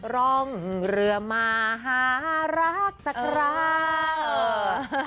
ร่องเรือมาหารักษครา